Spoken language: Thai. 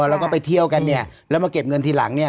แล้วก็ไปเที่ยวกันเนี่ยแล้วมาเก็บเงินทีหลังเนี่ย